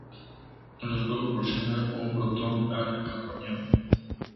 El alcohol proporciona un protón al carbanión.